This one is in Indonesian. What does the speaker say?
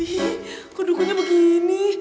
ih kok dukunnya begini